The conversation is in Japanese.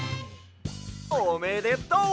おめでとう！